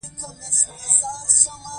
محمود د میدان سړی نه دی.